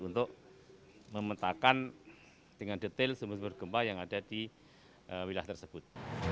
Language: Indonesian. untuk memetakan dengan detail sumber sumber gempa yang ada di wilayah tersebut